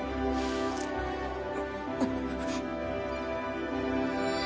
あっ。